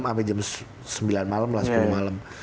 sampe jam sembilan malem lah sepuluh malem